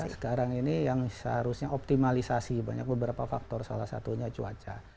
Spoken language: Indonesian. sekarang ini yang seharusnya optimalisasi banyak beberapa faktor salah satunya cuaca